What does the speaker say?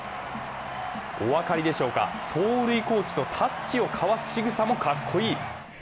お分かりでしょうか、走塁コーチとタッチを交わすしぐさもかっこいい！